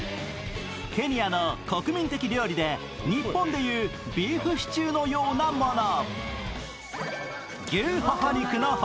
ケニアの国民的料理で日本でいうビーフシチューのようなもの。